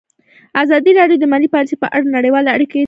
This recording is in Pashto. ازادي راډیو د مالي پالیسي په اړه نړیوالې اړیکې تشریح کړي.